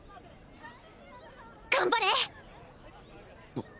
頑張れ！